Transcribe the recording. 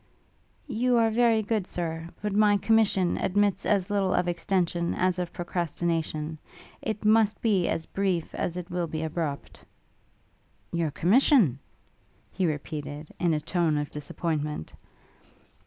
'You are very good, Sir, but my commission admits as little of extension as of procrastination. It must be as brief as it will be abrupt.' 'Your commission?' he repeated, in a tone of disappointment.